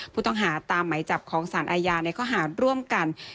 ผู้ต้องหาตามไหมจับของสารอาญาในข้อหารร่วมกัน